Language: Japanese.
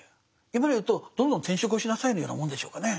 今で言うとどんどん転職をしなさいのようなもんでしょうかね。